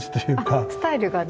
あスタイルがね。